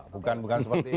bukan seperti itu